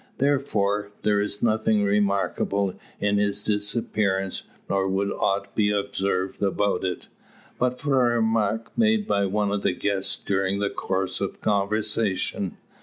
Therefore, there is nothing remarkable in his disappearance; nor would aught be observed about it, but for a remark made by one of the guests during the course of conversation.